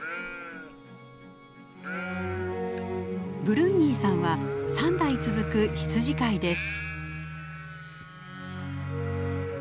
ブルンニーさんは３代続く羊飼いです。